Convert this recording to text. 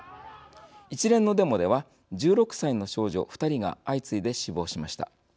一連のデモでは、１６歳の少女２人が相次いで死亡しました。